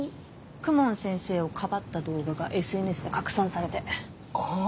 公文先生をかばった動画がＳＮＳで拡散されてああー